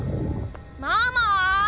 ママ。